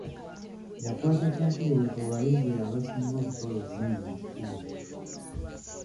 Yakwata kyakubiri ku abayizi abaasinga okukola obulungi mu kitundu.